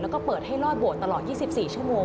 แล้วก็เปิดให้ลอดโบสถ์ตลอด๒๔ชั่วโมง